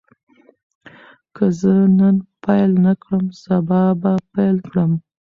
که زه نن پیل نه کړم، سبا به پیل کړم.